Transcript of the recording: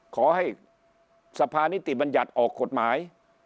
ขอให้สภานิติบัญญัติออกกฎหมาย